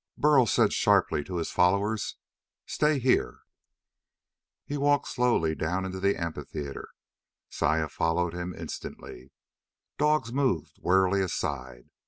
Burl said sharply to his followers: "Stay here!" He walked slowly down into the amphitheatre. Saya followed him instantly. Dogs moved warily aside.